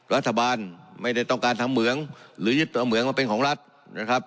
รัฐบาลไม่ได้ต้องการทำเหมืองหรือยึดเอาเหมืองมาเป็นของรัฐนะครับ